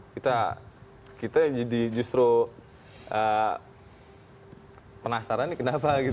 kita jadi justru penasaran nih kenapa gitu